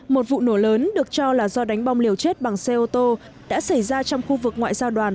một vụ nổ lớn được cho là do đánh bom liều chết bằng xe ô tô đã xảy ra trong khu vực ngoại giao đoàn